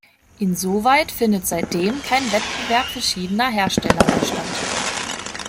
Insoweit findet seitdem kein Wettbewerb verschiedener Hersteller mehr statt.